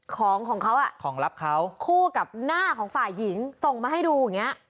ของของเขาของลับเขาคู่กับหน้าของฝ่ายหญิงส่งมาให้ดู